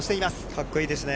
かっこいいですね。